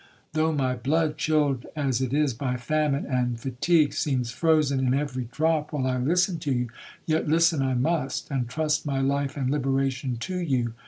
Though my blood, chilled as it is by famine and fatigue, seems frozen in every drop while I listen to you, yet listen I must, and trust my life and liberation to you.